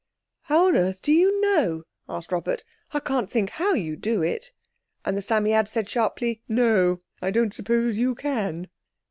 "How on earth do you know?" asked Robert. "I can't think how you do it." And the Psammead said sharply, "No—I don't suppose you can."